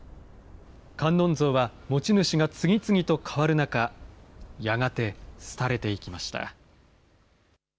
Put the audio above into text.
観音像は持ち主が次々と変わる中、やがてすたれていきました。